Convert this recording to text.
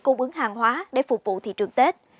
nguồn hàng hóa để phục vụ thị trường tết